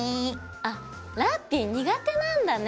あっラッピィ苦手なんだね。